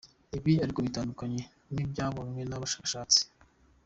Ibi ariko bitandukanye n’ibyabonywe n’aba bashakashatsi.